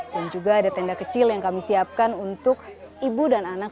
dan juga ada tenda kecil yang kami siapkan untuk ibu dan anak